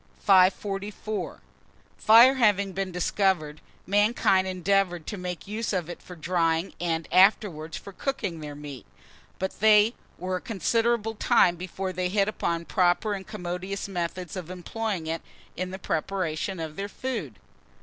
544. FIRE HAVING BEEN DISCOVERED, mankind endeavoured to make use of it for drying, and afterwards for cooking their meat; but they were a considerable time before they hit upon proper and commodious methods of employing it in the preparation of their food.